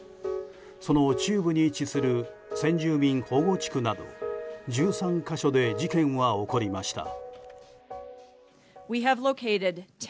その中部に位置する先住民保護地区など１３か所で事件は起こりました。